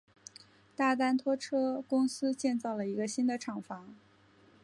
大丹拖车公司建造了一个新的厂房。